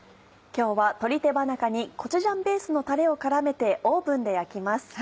今日は鶏手羽中にコチュジャンベースのたれを絡めてオーブンで焼きます。